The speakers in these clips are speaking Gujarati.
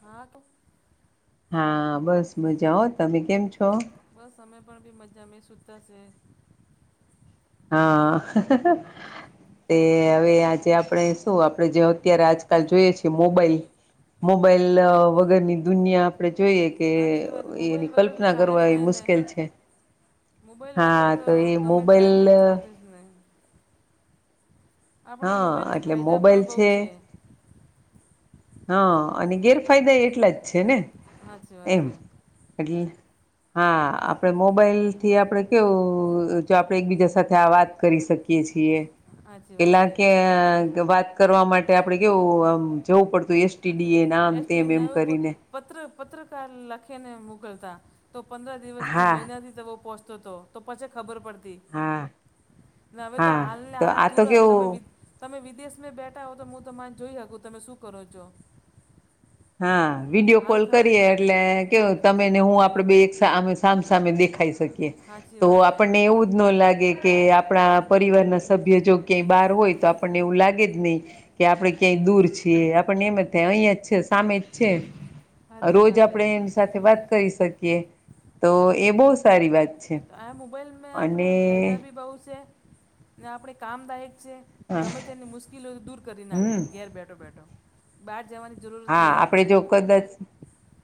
હા તો. હા, બસ મજા હો. તમે કેમ છો? બસ અમે પણ બી મજા મે, સુતા સે. હા. તે હવે આજે આપણે શું આપણે જે અત્યારે આજકાલ જોઈએ છીએ મોબાઈલ મોબાઈલ વગરની દુનિયા આપડે જોઈએ કે હાચી વાત મોબાઈલ એની વગર તો કલ્પના ચાલે જ કરવા એ નહીં ને મુશ્કેલ છે. મોબાઈલ હા, તો એ મોબાઈલ અહ હમ્મ. આપણે હા મોબાઈલથી એટલે ફાયદા મોબાઈલ પણ બહુ છે. હા, અને ગેરફાયદા એટલા જ છે ને. હાચી વાત હે. એટલ હા. આપણે મોબાઈલ થી આપણેે કેવું જો આપણેે એકબીજા સાથે આ વાત કરી શકી કીએ છીએ. હાચી વાત પેલા હે કે વાત કરવા માટે આપડે કેવું આમ જવું પડતું એસ ટી ડી એ ને આમ તેમ એસટી એમ નેવું કરીને. પત્ર પત્રકાર લખી ને મોકલતા. તો પંદર દિવસથી, હા મહિના દી જેવો પહોંચતો હતો, તો પછે ખબર પડતી. હા ને હવે તો હા હાલ ને તો હાલ આ તો તુરત, તમે વિ કેવું તમે વિદેશ મે બેઠા હો તો હું તમાને જોઈ હકું તમે શું કરો છો. હા. વિડીયો હાલ કોલ ખ કરીએે એ ટલે કેવું તમે ને હું આપડે બેય એક સા આમ સામસામે દેખાઈ શકી એ, સાચી તો વાત હે આપણને એવું જ ન લાગે કે આપણા પરિવારના સભ્ય જો ક્યાંય બહાર હોય તો આપણને એવું લાગે જ નઇ કે આપડે ક્યાંય દૂર છીએ, આપણને એમ જ થાય અહિયાં જ છે સામે જ છે. સાચી રોજ વાત હે આપણેે એમ સ સાથે વાત કરી શકીએ, તો એ બહુ સારી વાત છે તો આ મોબાઈલમાં આપણે અને ફાયદા બી બહુ છે, ને આપણે કામદાયક છે. હા ગમે તેની મુશ્કેલીઓ દૂર કરી નાખે, હમ ઘેર બેઠો-બેઠો, બહાર જાવાની હા. આપડે જો કદાચ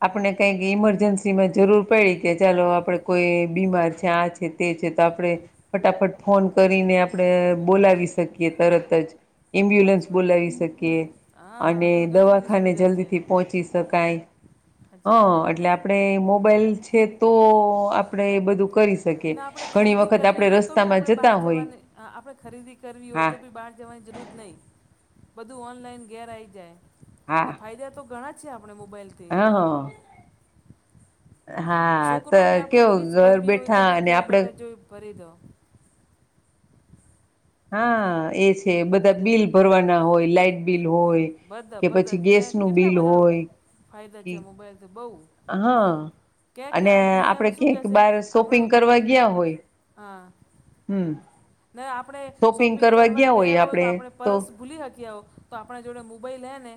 આપણે કાંઈક ઈમરજન્સી માં જરૂર પડી, કે ચાલો આપડે કોઈ બીમાર છે, આ છ છે, તે છે તો આપણે ફટાફટ ફોન કરીને આપણે બોલાવી શકીએ તરત જ. એમ્બ્યુલન્સ સાચી વાત બોલાવી શકીએ, હા અને હવે તો ઘણી દવા બધી ખાને સુવિધા જલ્દી છે થી પહોચી શકાય. સાચી વાત છે હા એટલે આપણે મોબાઈલ છે તો આપણે એ બધું કરીશ ના આપણેે ખરીદી કરવી હોય તો બી આપણે બહાર જતા હોય જવાની આપણે ખરીદી કરવી હોય હા તો બી બહાર જવાની જરૂર જ નહી બધું ઓનલાઈન ઘેર આયી જાય. તો ફાયદા તો ઘણા છે આપણે મોબાઈલ અ હ તો છોકરોને આપણે કેવું ફીસ ઘર ભરવી હોય બેઠા તો ભી અને ઘેર આપણે બેઠા જોઈ ભરી દો. હા એ છે. બધા બિલ ભરવાના હોય લાાઈટ બિલ હોય. બધા કે બધા પછી ગેસ ક્યાં નું કેટલા બિલ બધા હોય. ફાયદા કે છે મોબાઈલથી બહુ હા ક્યાં કે અને આ આપડે દુનિયામાં શું ક્યાંક કહેશે બાર આપણે શોપિંગ કરવા ગીયા હોય, હા હમ. ને આપણે શોપિંગ કરવા ગયા હોય, તો આપણે પર્સ ભૂલી શક્યા હોય. તો આપણે જોડે મોબાઈલ હે ને.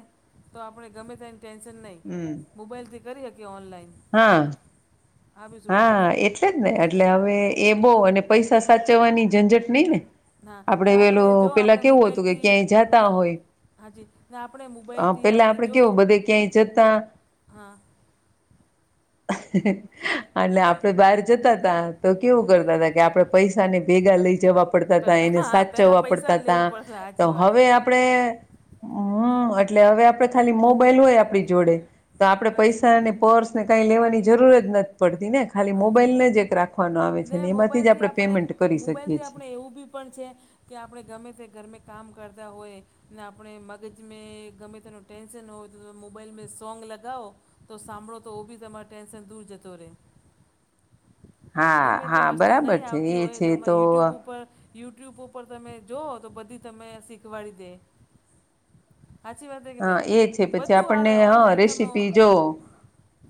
તો આપણે ગમે તે એની ટેન્શન નય. હમ મોબાઈલથી કરી શકીએ ઓનલાઈન હા આ બી સુવિધા હા છે એટલે જ ને એટલે હવે એ બો અને પૈસા સાચવવાની ઝંઝટ નઇ ને. ના ને આપડે પેલ આપણે જો પેલા આપણે કેવું હતું કે મોબાઈલથી ક્યાંય જાતા હોય. હાજી ને આપણે હ મોબાઈલથી પેલા આપણે આપડે જો કેવું બધે ક્યાંય જતા હા હ અને આપડે બહાર જતા તા તો કેવું કરતા હતા કે આપડે પૈસા ને ભેગા લઈ જવા પડતાતા, પે- એને હા પહેલાં સાચવવા પૈસા પડતાતા. લેવું પડશે તો સાચી વાત હવે છે આપણે હમ એટલે હવે આપડે ખાલી મોબાઈલ હોય આપડી જોડે, તો આપડે સાચી વાત પૈસાને પર્સ ને કઈ લેવાની જરૂર જ નથી જ પડતી ને? ખાલી સાચી મોબાઈલને વાત જ એક રાખવાનો આવે છે. ને અને એમાંથી જ મોબાઈલથી આપણે પેમેન્ટ કરી શકીએ મોબાઈલથી છીએ. આપણે એવું બી પણ છે, કે આપણે ગમે તે ગરમે કામ કરતા હોય. ને આપણે મગજ મે ગમે તેનું ટેન્શન હોય તો મોબાઈલમેં સોંગ લગાવો તો સાંભળોતો ઓબી તમારો ટેન્શન દૂર જતો રે. હા ગમે તે હા વસ્તુ બરાબર નહીં છે આવતી એ હોય, છે તોમાં તો યુટ્યુબ ઉપર ઉપ યુટ્યુબ ઉપર તમે જોઓ તો બધી તમે શીખવાડી દે. સાચી વાત છે કે હા નહીં એ છે, પછી બધું આપણને આવે હ ઓનલાઈન તમે રેસીપી જો.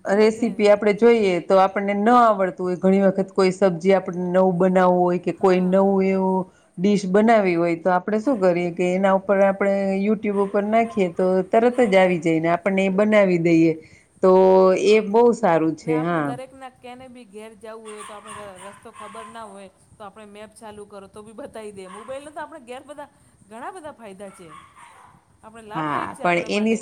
ગમે તે રેસીપી આપડે જોઈએ. તો આપણને ન આવડતી હોય. ઘણી વખત કોઈ સબ્જી આપણને નવું બનાવવું હોય? કે કોઈ હા નવુ એવુ ડીશ બનાવી હોય. તો આપણે શું કરીએ કે એના ઉપર આપણે યુટ્યુબ ઉપર નાખીએ તો તરત જ આવી જાયને. આપણને એ બનાવી દઈએ તો એ બહ ને આપડે દરેક ના કેને બી ઘેર જવું હોય, તો આપણે રસ્તો ખબર ના હોય તો આપણે મેપ ચાલુ કરો તો બી બતાઇ દે. મોબાઈલ ન તો આપણે ઘેર બધા ઘણા બધા ફાયદા છે. આપણ હા લાભદાયક છે. પણ આપણે એની માટે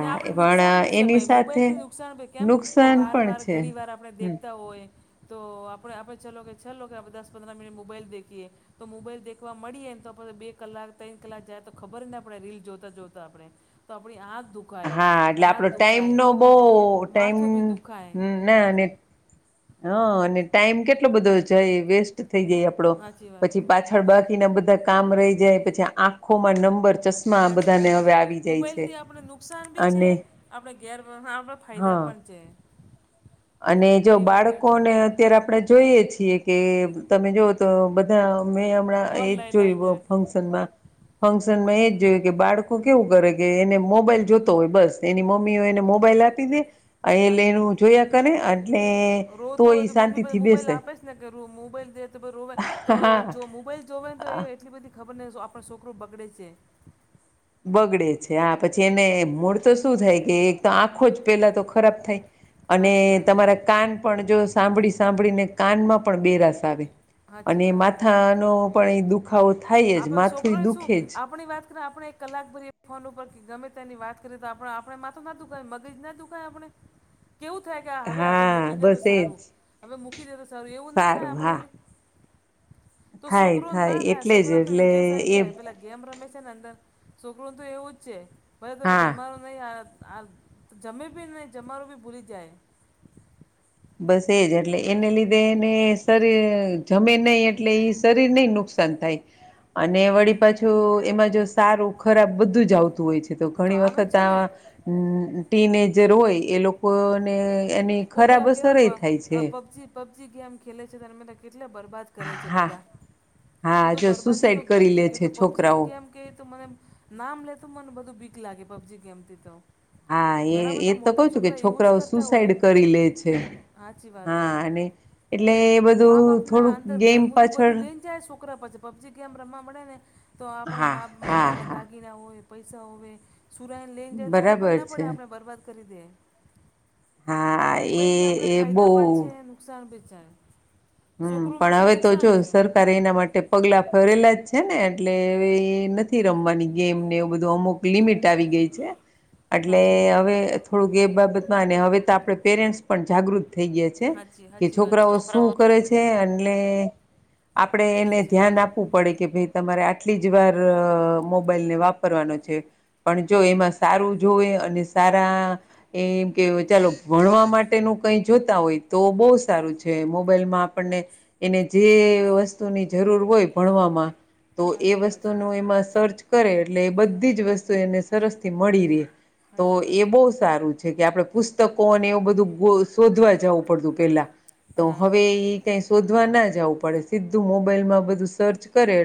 ને આપડ પણ નુકસાન ભી છે, એની ભાઈ સાથે મોબાઈલ થી નુકસાન ભાઈ કેમ કે નુકસાન વાર પણ વાર છે ઘણી વાર આપણે હમ દેખતા હોય. તો આપણે આપણે ચલો કે ચાલ કે આપણે દસ-પંદર મિનિટ મોબાઈલ દેખીએ. તો મોબાઈલ દેખવા મળીએ એને તો આપ બે કલાક ત્રણ કલાક જાય તો ખબર જ ના આપડે રીલ જોતા જોતા આપણે. તો આપણી આ દુ હા એટલે આપડો ટાઈમ નો બો ટાઈમ માથો બી દુખાય હમ ના અને હા અને ટાઈમ કેટલો બધો જય, વેસ્ટ થઈ જાય. આપડો સાચી વાત પછી હે પાછ બાકીના બધા કામ રહી જાય, પછી આંખોમાં નંબર ચસ્ હાચી વાત હે. મોબાઈલથી આપણે નુકસાન બી છે. અને આપડે ગેર આપણા ફાયદા હા પણ છે. અને જો બેય વસ્તુ છે બાળકોને અત્યારે આપણે જોઈએ છીએ કે તમે જુઓ તો બધા મેં હમણાં એજ ઓનલાઈન આવી જોય જાય ફંક્શનમાં. ફંક્શનમાં એજ જોયું કે બાળકો કેવું કરે કે એને મોબાઈલ જોતો હોય બસ એની મમ્મીઓ એને મોબાઈલ આપે દે એલે એ સાચી વાત જોયા કરે એટલે તો રોતો હોય એ મમ્મી બધા શાંતિથી મોબાઈલ બેસે. આપે જ ને કે રો મોબાઈલ દે તો એ રોવે તો હા જો મોબાઈલ જોવાય તો એ એટલી બધી ખબર ને તો આપણા છોકરો બગડે છે. બગડે છે. આ પછી એને મૂળ તો શું થાય કે એક તો આંખો જ પેલા તો ખરાબ થાય. અને સાચી વાત હે તમારા કાન પણ જો સાંભળી સાંભળીને કાનમાં પણ બેરાસ આવે. સાચી અને વાત માથાનો પણ એ દુખાવો થાય જ આપે માથું છોકરો છું દુખે જ આપણી વાત આપણે એક કલાક ભરીએ ફોન ઉપર ગમે તેની વાત કરીએ તો આપ આપણે માથું ના દુખાય મગજ ના દુખાય આપણે? કેવું થાય કે હવે હવે હા મૂકી દે તો બસ એજ સારું હવે મૂકી દે તો એવું ના થાય સારું હા આપે તો થાય છોકરો ના થાય એટલે છોક જ એટલે ઇન્ટરેસ્ટ આવી એ જાય પેલી ગેમ રમે છે ને અંદર, છોકરું તો એવું જ છે ભલે તમે હા જમવાનું નહીં જમે બી નહીં જમા નું બી ભૂલી જાય. બસ એજ એટલે એને લીધે એને શરીર જમે નહી એટલે શરીર નહી નુકસાન થાય અને વળી પાછું એમાં જો સારું ખરાબ બધું જ આવતું હોય છે. તો ઘણી આવે વખત છે ને આ ટીનેજર હોય એ લોકો ને એની ખરાબ વસ પ પ પબજી પબજી ગેમ ખેલે છે. [unintelligible] તો કેટલા બરબાદ કરે છે હા બધા. હ હા તો જો બરબાદીનો સુસાઈડ ગેમ કરી છે લે કેટલે પબજી છોકરાઓ ગેમ મને નામ લે તો મને બધું બીક લાગે પબજી ગેમથી તો. હા એ ઘણા એજ બધા તો કઉ મોટા છું કે છોકરા એવું જ છોકરાઓ કરતા સુસાઈડ હોય કરી લે છે. સાચી વાત હે હા અને એટલે એ મા બધું બાપના થોડુંક અંદર ગેમ ઘરમુથી પાછળ બધું લઈને જાય છોકરા પછી પબજી ગેમ રમવા મળે ને તો આપણે હા હા મમ્મીના હા દાગીના હોય પૈસા હોવે સુરાઈને લઈને જાય તો એ ખબર બરાબર ના પડે છે આપણે બરબાદ કરી દે. તો હા એ મોબાઈલથી આપણે એ ફાયદા પણ છે બહુ નુકસાન ભી છે. હમ છોકરો પણ માટે હવે તો નુકસાન જો છે સરકાર એના માટે પગલા ફરેલા જ છે ને એટલે નથી રમવાની ગેમ ને એવું બધું અમુક લિમિટ આવી ગઈ છે. [inaudible] એટલે વાત હવે થોડુંક એ બાબતમાં હવે તો આપણે પેરેન્ટ્સ પણ જાગૃત થઈ ગયા છે. સાચી કે સાચી વાત છે છોકરાઓ સાચી શું કરે છે એલે આપડે એને વાત ધ્યાન આપવું પડે કે ભાઈ તમારે આટલી જ વાર મોબાઈલને વાપરવાનો છે. પણ જો એમાં સારું જોવે અને સારા એમ કે ચાલો ભણવા માટેનું કઈ જોતા હોય તો બહુ સારું છે મો મોબાઈલમાં આપણને એને જે વસ્તુની જરૂર હોય ભણવામાં તો એ સાચી વાત વસ્તુનું એમાં સર્ચ કરે એટલે એ બધી જ વસ્તુ એને સરસ થી મળી રહે. તો સાચી વાત એ બહુ સારું છે કે આપડે પુસ્તકો અને એવું બધું શોધવા જવું પડતું પેલા તો હા હવે એ કઈ શોધવા ના જવું પડે સોધવા મોબાઈલમાં બધું સર્ચ કરે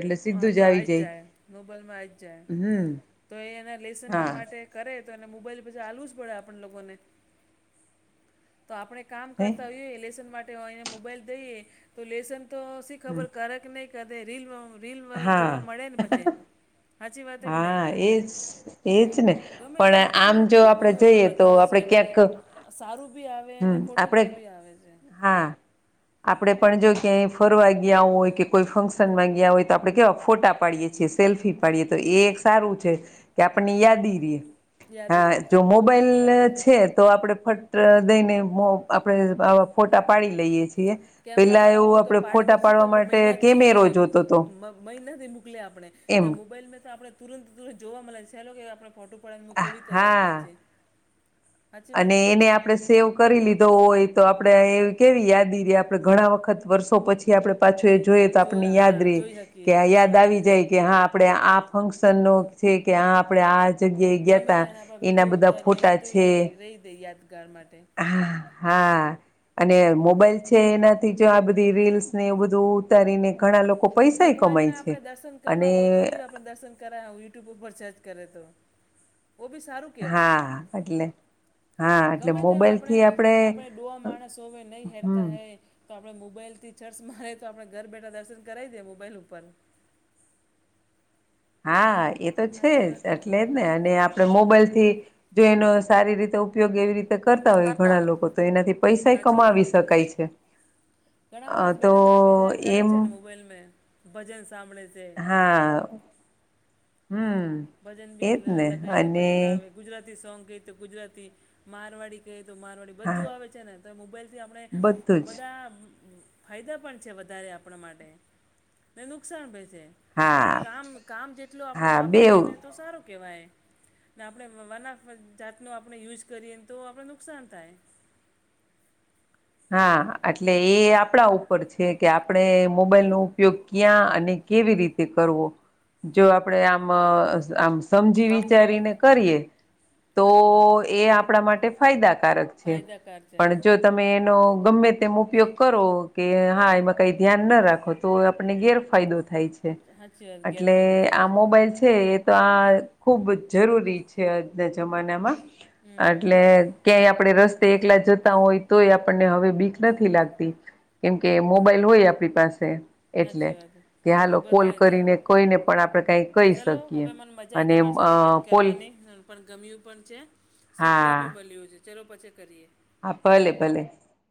તો આવી જ જાય નોબલમાં આવી જ હમ જાય તો એ એના લેસનના હા માટે કરે તો અને મોબાઈલ પછી આલવું જ પડે આપણ લોકોને તો આપણે કામ હે કરતા હોઈએ લેસન માટે એને મોબાઈલ દઈએ તો લેસન તો ખબર કરે કે નહીં કે રીલ રીલ જોવા હા મળે ને પડે છે. હા, એજ એજ ને ગમે તે પણ આમ મોબાઈલમાં જો કેટલું આપણેે બધું હવે જઈએ તો તો બતાવે આપડે છે ક્યાંક સારું ભી આવે અને હમ ખોટું આપણે પણ ભી આવે છે. આપણેે પણ જો ક્યાંય ફરવા ગયા હોય કે કોઈ ફંક્શનમાં ગયા હોય તો આપણે કેવા ફોટા પાડીએ. સેલ્ફી પાડીએ તો એ એક સારું છે કે આપણને યાદી રએ. યાદી રહે હા જો મોબાઈલ છે. તો આપણે ફટ દઈને આપણેે આવા ફોટા પાડી લઈએ છીએ. પેલા કેમેરાવાળા એવું હોય તો આપડે ફોટા પાડવા માટે કેમેરો જોતો. હતો મ મહીના થી મુકલી આપણે ને એમ મોબાઈલ મે તો આપણે તુરંત તુરંત જોવા મળે છેલો કે આપણે ફોટો પાડી મુકે ને કેવી તૈયાર થઈ હા છે. સાચી વાત અને કે એને નહીં આપડે. સેવ કરી લીધો હોય તો આપણે એ કેવી યાદી રે આપણે ઘણા વખત વર્ષો પછી આપણે પાછું. જોઈએ તો જોઈ આપને યાદ હા રહી જોઈ કે શકીએ સાચી યાદ વાત આવી હે જાય કે હા. આપણે આ ફંક્શનનો છે કે આ આપણે આ. એ જગ્યાએ ગમે ગ્યાતા તેના એના બધા ફોટા છે. તે યાદગાર માટે. હા. અને મોબાઈલ છે એનાથી જો આ બધી રીલ્સ ને એવું બધું ઉતારીને ઘણા લોકો પૈસાય ભગવાન કમાય ના આપણે છે દર્શન કરવા અને હોય તો બી આપણે દર્શન કરાવ હો યુટ્યુબ ઉપર સર્ચ કરે તો. ઓ બી સારું કહેવાય. હા એટલે હા એટલે ગમે તેમ આપણે મોબાઈલથી આપણે ડોવા માણસ હોવે નહી હેરતા હમ હે. તો આપણે મોબાઈલથી સર્ચ મારે તો આપણે ઘર બેઠા દર્શન કરાવી દેએ મોબાઈલ ઉપર હા એ તો છે સાચી જ વાત હે એટલે જ ને હા અને. તે મોબાઈલથી જો એનો સારી રીતે ઉપયોગ એવી રીતે. કરતા હોય ઘણા લોકો તો એનાથી પૈસાએ સાચી વાત કમાવી હે શકાય છે. અ તો એમ. મોબાઈલમે ભજન સાંભળે છે. હા હમ. ભજન ભી એજ લે ને લગે તો અને ભજન આવે. ગુજરાતી સોંગ કહી તો ગુજરાતી મારવાડી કહે તો મારવાડી. હા બધું આવે છે ને તો મોબાઈલથી આપણે બધું જ બધા ફાયદા પણ છે વધારે આપણા માટે ને નુકસાન પણ છે. હા કામ કામ જેટલો આપણેે હા બેવ વાપરીયએને તો સારું કેવાય. ને આપણે વાત વાના જાતનો આપણે યુઝ કરીએ ને તો આપણે નુકસાન થાય. હા એટલે એ આપણા ઉપર છે કે આપણે મોબાઈલ નો ઉપયોગ ક્યાં અને કેવી રીતે કરવો જો આપડે આમ આમ. સમજી વિચારીને કરીએ તો સાચી વાત એ આપણા માટે ફાયદાકારક. છે ફાયદાકાર છે પણ જો તમે નો ગમે તેમ ઉપયોગ કરો કે હા એમાં કઈ ધ્યાન ના રાખો તો આપણને ગેરફાયદો થાય છે. સાચી વાત એટલે ગેરફાયદો થાય આ છે મોબાઈલ છે એ તો આ ખુબ જરૂરી છે આજના જમાનામાં હમ એટલે ક્યાંય આપણે રસ્ એકલા જોતા હોય તો આપ આપને હવે બીક નથી લાગતી કેમકે મોબાઈલ હોય આપણી પાસે સાચી એટલે વાત કે બધું હાલો કોલ બતાવી દે કરીને કહીને પણ આપણે કાંઈ કહી શકીએ અને એમ અ પોલ કરવા નહી પણ ગમ્યું પણ છે શીખવા બી મળ્યું છે ચલો પછી કરીએ આ ભલે ભલે.